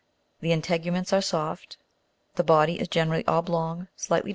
The integu ments are soft ; the body is generally oblong, slightly depressed, 11.